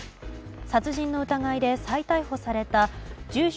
殺人の疑いで再逮捕された住所